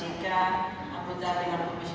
anggota direktur promesional ojk indonesia